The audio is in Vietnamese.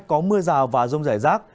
có mưa rào và rông rải rác